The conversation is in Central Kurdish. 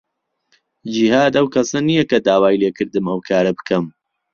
جیهاد ئەو کەسە نییە کە داوای لێ کردم ئەو کارە بکەم.